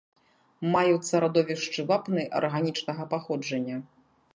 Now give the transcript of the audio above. Маюцца радовішчы вапны арганічнага паходжання.